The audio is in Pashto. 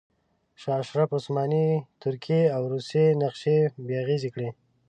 شاه اشرف د عثماني ترکیې او روسیې نقشې بې اغیزې کړې.